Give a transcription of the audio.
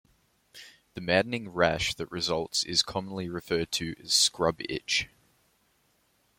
The maddening rash that results is commonly referred to as 'scrub-itch'.